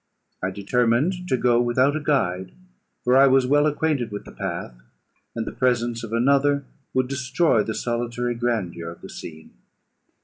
I determined to go without a guide, for I was well acquainted with the path, and the presence of another would destroy the solitary grandeur of the scene.